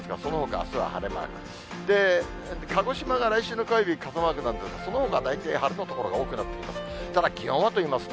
鹿児島が来週の火曜日、傘マークなんですが、そのほか大体晴れの所が多くなってきます。